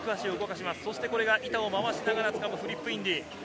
そして板を回しながらつかむフリップインディ。